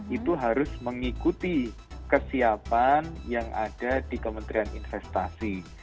itu harus mengikuti kesiapan yang ada di kementerian investasi